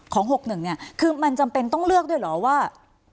๖๑เนี่ยคือมันจำเป็นต้องเลือกด้วยเหรอว่า